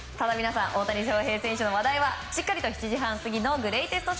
大谷翔平選手の話題はしっかり７時半過ぎグレイテスト